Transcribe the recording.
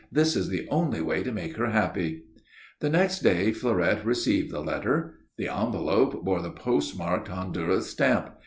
"This is the only way to make her happy." The next day Fleurette received the letter. The envelope bore the postmarked Honduras stamp.